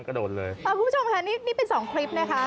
คุณผู้ชมค่ะนี่เป็น๒คลิปนะคะ